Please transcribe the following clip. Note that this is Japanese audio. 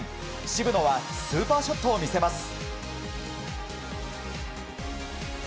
渋野はスーパーショットを見せます。